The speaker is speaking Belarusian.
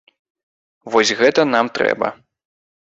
Вось гэта нам трэба.